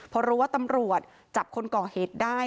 พร้อมว่าตำรวจจับคนป่าเหตุได้